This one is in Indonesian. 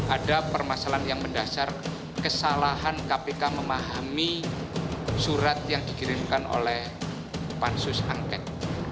ada permasalahan yang mendasar kesalahan kpk memahami surat yang dikirimkan oleh pansus angket